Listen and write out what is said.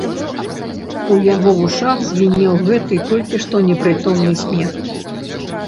У яго вушах звінеў гэты, толькі што непрытомны смех.